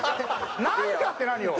「なんか」って何よ？